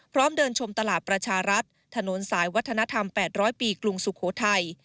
เดินชมตลาดประชารัฐถนนสายวัฒนธรรม๘๐๐ปีกรุงสุโขทัย